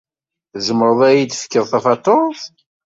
Tzemreḍ ad iyi-d-tefkeḍ tafatuṛt?